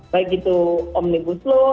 baik itu omnibus law